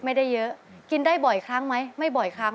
ไม่ได้เยอะกินได้บ่อยครั้งไหมไม่บ่อยครั้ง